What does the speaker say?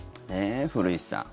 古市さん。